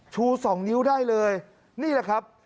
ชู๒นิ้วได้เลยนี่แหละครับ